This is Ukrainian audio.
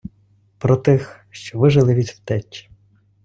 Про тих, що вижили від втеч